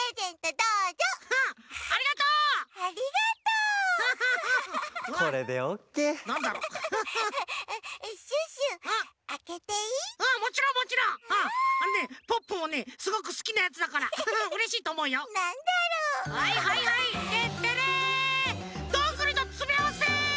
どんぐりのつめあわせ！